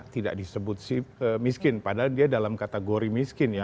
tidak disebut miskin padahal dia dalam kategori miskin ya